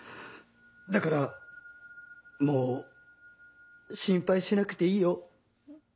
だからもう心配しなくていいよ。